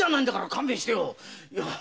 勘弁してよ。